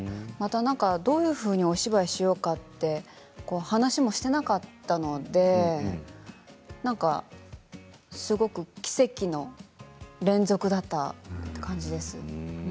どういうふうにお芝居をしようかと話をしていなかったのですごく奇跡の連続だったという感じですね。